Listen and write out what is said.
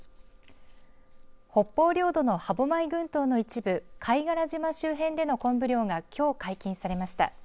北方領土の歯舞群島の一部貝殻島周辺でのコンブ漁がきょう、解禁されました。